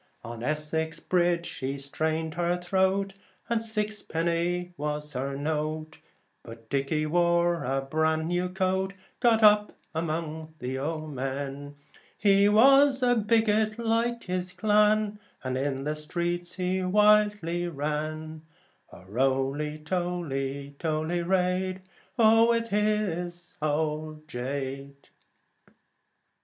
On Essex Bridge she strained her throat, And six a penny was her note. But Dickey wore a bran new coat, He got among the yeomen. He was a bigot, like his clan, And in the streets he wildly sang, O Roly, toly, toly raid, with his old jade.